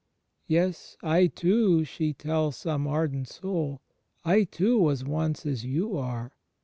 "Yes, I too," she tells some ardent soul, "I too was once as you are.